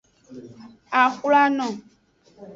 Axwlano.